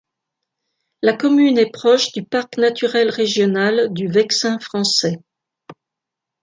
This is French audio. La commune est proche du parc naturel régional du Vexin français.